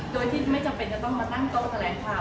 โดยที่ไม่จำเป็นจะต้องมาตั้งโต๊ะแถลงข่าว